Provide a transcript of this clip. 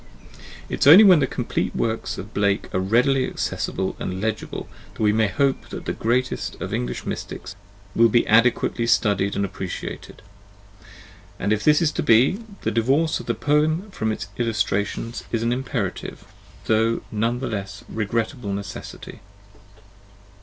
It is only when the complete works of Blake are readily accessible and legible that we may hope that the greatest of English mystics will be adequately studied and appreciated; and if this is to be, the divorce of the poem from its illus trations is an imperative, though none the less regrettable necessity.